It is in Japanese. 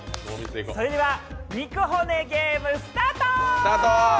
それでは肉骨ゲーム、スタート。